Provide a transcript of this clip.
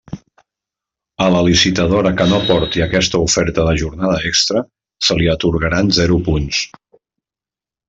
A la licitadora que no aporte aquesta oferta de jornada extra se li atorgaran zero punts.